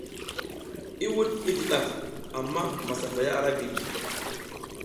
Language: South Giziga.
I wuɗ i di ɗaf, amma masafaya ara giy.